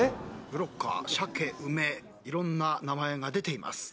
ブロッカー「しゃけ」「うめ」いろんな名前が出ています。